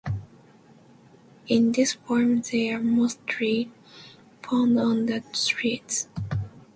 In this form they are mostly found on the streets.